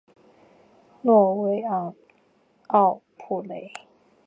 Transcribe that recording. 诺维昂奥普雷。